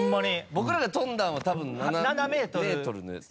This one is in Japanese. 僕らが飛んだんは多分７メートルのやつ。